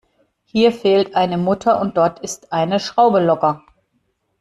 Hier fehlt eine Mutter und dort ist eine Schraube locker.